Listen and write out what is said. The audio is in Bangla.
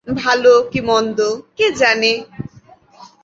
ভালো কি মন্দ কে জানে।